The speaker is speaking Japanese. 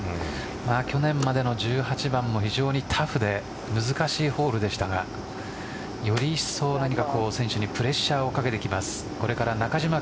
去年までの１８番も非常にタフで難しいホールでしたがよりいっそう、何か選手にプレッシャーをかけてきます。